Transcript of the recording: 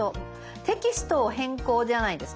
「テキストを変更」じゃないですか？